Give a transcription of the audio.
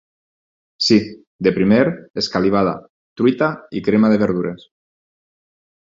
Sí, de primer, escalivada, truita i crema de verdures.